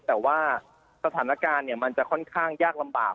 แต่ว่าสถานการณ์มันจะค่อนข้างยากลำบาก